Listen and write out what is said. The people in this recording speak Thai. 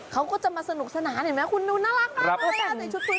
เขาก็จะมาสนุกสนานเห็นไหมคุณดูน่ารักมาก